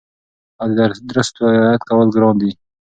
او د درستو رعایت کول ګران دي